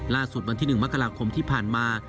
ล่าสุดวันที่๑มกราคมที่ผ่านมา